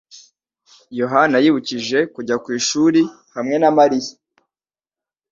Yohana yibukije kujya ku ishuri hamwe na Mariya